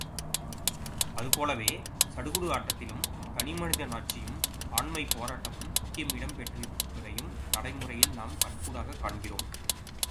அதுபோலவே, சடுகுடு ஆட்டத்திலும் தனிமனிதன் ஆட்சியும், ஆண்மைப் போராட்டமும் முக்கிய இடம் பெற்றிருப்பதையும் நடைமுறையில் நாம் கண்கூடாகக் காண்கிறோம்.